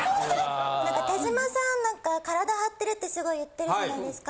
手島さん何か体張ってるってすごい言ってるじゃないですか。